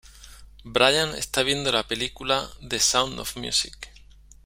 Brian está viendo la película "The Sound of Music".